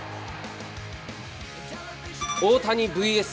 大谷ＶＳ